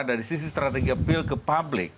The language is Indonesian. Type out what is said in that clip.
dari sisi strategi peal ke publik